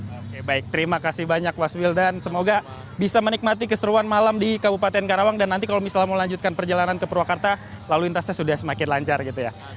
oke baik terima kasih banyak mas wildan semoga bisa menikmati keseruan malam di kabupaten karawang dan nanti kalau misalnya mau lanjutkan perjalanan ke purwakarta lalu lintasnya sudah semakin lancar gitu ya